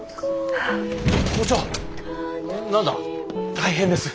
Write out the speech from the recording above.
大変です。